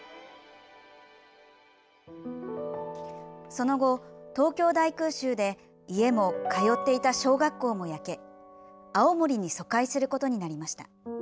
その後、東京大空襲で家も、通っていた小学校も焼け青森に疎開することになりました。